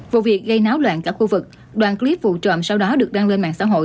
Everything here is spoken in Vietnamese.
vụ việc gây náo loạn cả khu vực đoạn clip vụ trộm sau đó được đăng lên mạng xã hội